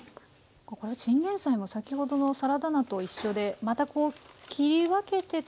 これはチンゲンサイも先ほどのサラダ菜と一緒でまたこう切り分けて食べる楽しみがあるんですね。